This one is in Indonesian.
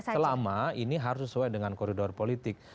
selama ini harus sesuai dengan koridor politik